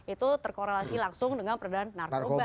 itu terkorelasi langsung dengan peredaran narkoba